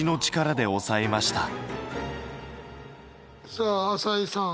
さあ朝井さん。